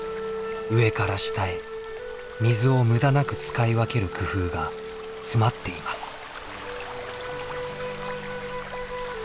上から下へ水を無駄なく使い分ける工夫が詰まっています。